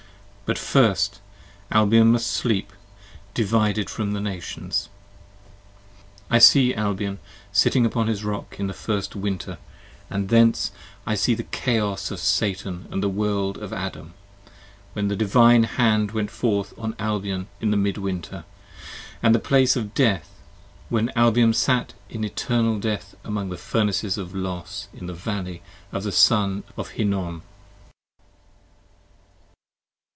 But first Albion must sleep, divided from the Nations. 30 I see Albion sitting upon his Rock in the first Winter, And thence I see the Chaos of Satan & the World of Adam, When the Divine Hand went forth on Albion in the mid Winter And at the place of Death, when Albion sat in Eternal Death 34 Among the Furnaces of Los in the Valley of the Son of Hinnom.